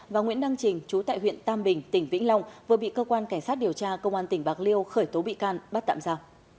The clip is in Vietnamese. và nguyễn đăng trình chú tại huyện tam bình tỉnh vĩnh long vừa bị cơ quan cảnh sát điều tra công an tỉnh bạc liêu khởi tố bị can bắt tạm ra